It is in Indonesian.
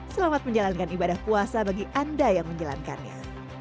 selamat menjalankan ibadah puasa bagi anda yang menjalankannya